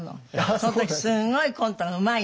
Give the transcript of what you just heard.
その時すごいコントがうまいの。